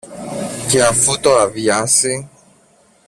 και αφού το αδειάσει